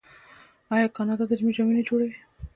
آیا کاناډا د ژمي جامې نه جوړوي؟